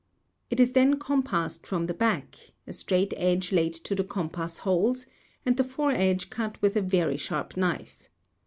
It is then compassed from the back, a straight edge laid to the compass holes, and the foredge cut with a very sharp knife.